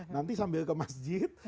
nanti sambil ke masjid